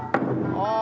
ああ。